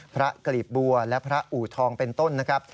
กลีบบัวและพระอูทองเป็นต้นนะครับ